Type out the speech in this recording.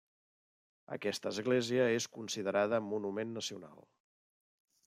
Aquesta església és considerada Monument Nacional.